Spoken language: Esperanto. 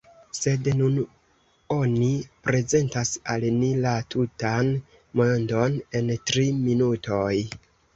Sed nun oni prezentas al ni la tutan mondon en tri minutoj.